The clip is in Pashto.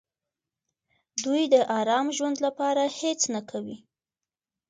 دوی د ارام ژوند لپاره هېڅ نه کوي.